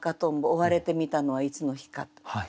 負われて見たのはいつの日か」。